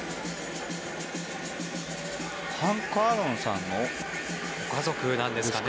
ハンク・アーロンさんのご家族ですね。